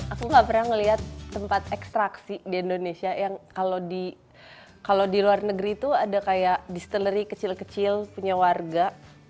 aku gak pernah ngeliat tempat ekstraksi di indonesia yang kalau di luar negeri itu ada kayak distilery kecil kecil punya warga